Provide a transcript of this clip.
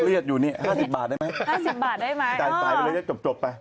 เลี้ยดอยู่นี่๕๐บาทได้ไหมจบไป